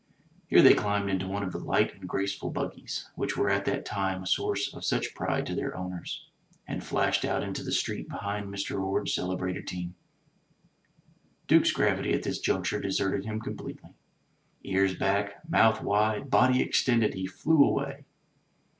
Here they climbed into one of the light and graceful buggies which were at that time a source of such pride to their owners, and flashed out into the street behind Mr. Orde's celebrated team. Duke's gravity at this juncture deserted him completely. Ears back, mouth wide, body extended, he flew away.